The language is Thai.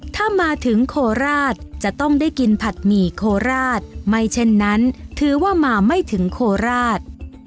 ถ้ามาถึงโคราชจะต้องได้กินผัดหมี่โคราชไม่เช่นนั้นถือว่ามาไม่ถึงโคราช